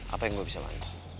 apa yang gue bisa lari